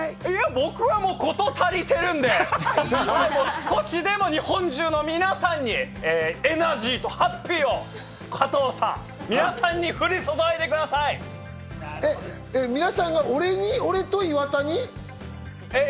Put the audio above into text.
僕は事足りてるんで、少しでも日本中の皆さんにエナジーとハッピーを加藤さん、皆さんに降り注いでください。